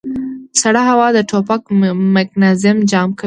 سړه هوا د ټوپک میکانیزم جام کوي